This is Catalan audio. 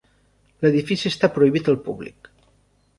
L'edifici està prohibit al públic.